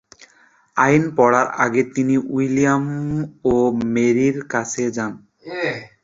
আইন পড়ার আগে তিনি উইলিয়াম ও মেরির কাছে যান।